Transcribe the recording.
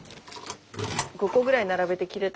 ５個ぐらい並べて切れたらいいのに。